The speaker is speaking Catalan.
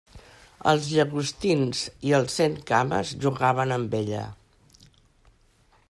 Els llagostins i els centcames jugaven amb ella.